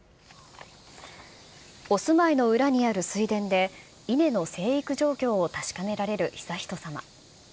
お住まいの裏にある水田で、稲の生育状況を確かめられる悠仁さま。